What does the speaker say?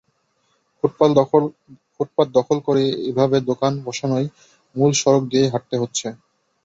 ফুটপাত দখল করে এভাবে দোকান বসানোয় মূল সড়ক দিয়েই হাঁটতে হচ্ছে।